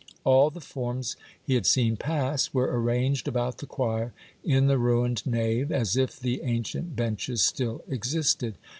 All the forms he had seen pass were arranged about the choir, in the ruined nave, as if the ancient benches still existed.